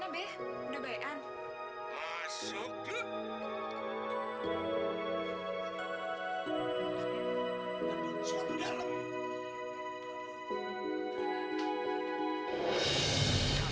dan itu adalah penyelamat